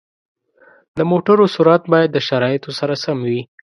د موټرو سرعت باید د شرایطو سره سم وي.